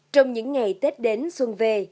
trong những ngày tết đến xuân về